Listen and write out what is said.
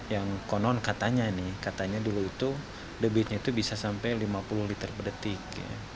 yang konon katanya nih katanya dulu itu debitnya itu bisa sampai lima puluh liter per detik